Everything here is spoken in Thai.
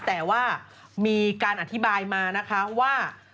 แต่ว่ามีการอธิบายมานะคะว่า